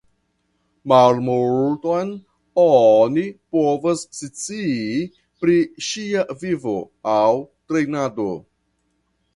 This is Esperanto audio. Malmulton oni povas scii pri ŝia vivo aŭ trejnado.